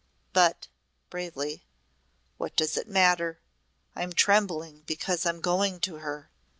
"But," bravely, "what does it matter? I'm trembling because I'm going to her!"